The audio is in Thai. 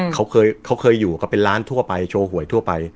เขาเคยอยู่เขาเป็นร้านทั่วไปโชว์หวยทั่วไป